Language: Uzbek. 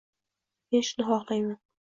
Men shuni xohlayman